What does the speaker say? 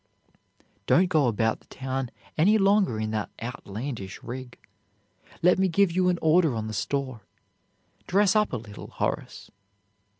"Don't go about the town any longer in that outlandish rig. Let me give you an order on the store. Dress up a little, Horace."